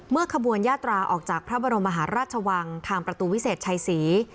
ขบวนยาตราออกจากพระบรมมหาราชวังทางประตูวิเศษชัยศรี